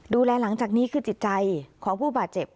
หลังจากนี้คือจิตใจของผู้บาดเจ็บ